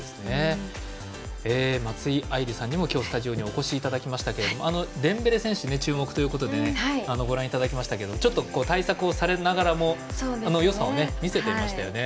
松井愛莉さんにも今日、スタジオにお越しいただきましたけれどもデンベレ選手注目ということでご覧いただきましたけれどもちょっと対策をされながらもよさを見せていましたよね。